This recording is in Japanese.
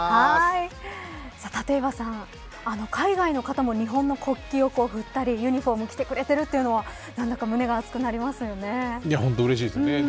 立岩さん、海外の方も日本の国旗を振ったりユニホーム着てくれているというのはうれしいですね。